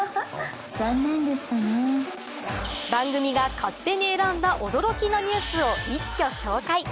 番組が勝手に選んだ驚きのニュースを一挙紹介